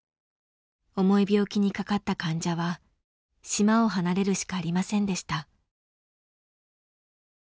重い病気にかかった患者は島を離れるしかありませんでした。